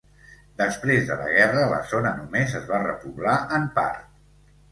Després de la guerra, la zona només es va repoblar en part.